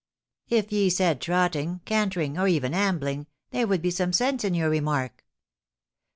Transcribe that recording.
If ye said trotting, cantering, or even ambling, there would be some sense in your remark.'